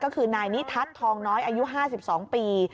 ก็คือนายนิทัศน์ทองน้อยอายุ๕๒ปี